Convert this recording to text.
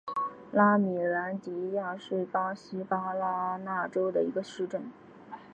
拉米兰迪亚是巴西巴拉那州的一个市镇。